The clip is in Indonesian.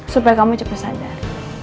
supaya kamu cepet sadar